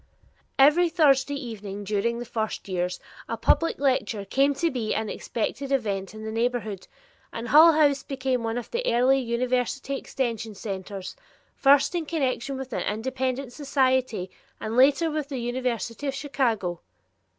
Every Thursday evening during the first years, a public lecture came to be an expected event in the neighborhood, and Hull House became one of the early University Extension centers, first in connection with an independent society and later with the University of Chicago.